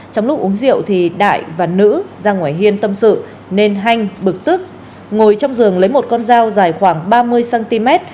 trong lúc uống rượu thì đại và nữ ra ngoài hiên tâm sự nên hanh bực tức ngồi trong giường lấy một con dao dài khoảng ba mươi cm